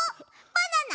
バナナ？